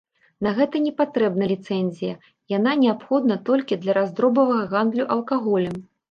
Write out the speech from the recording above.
На гэта не патрэбна ліцэнзія, яна неабходная толькі для раздробавага гандлю алкаголем.